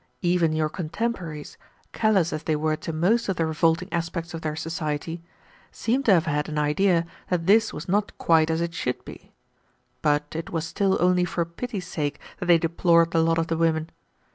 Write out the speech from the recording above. Even your contemporaries, callous as they were to most of the revolting aspects of their society, seem to have had an idea that this was not quite as it should be; but, it was still only for pity's sake that they deplored the lot of the women.